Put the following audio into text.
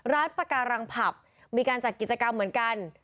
ปากการังผับมีการจัดกิจกรรมเหมือนกัน